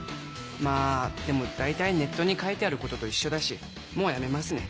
まあでもだいたいネットに書いてあることと一緒だしもうやめますね。